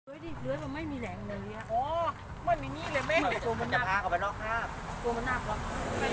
เฮ้ยเหลือมันไม่มีแหล่งในเนี้ย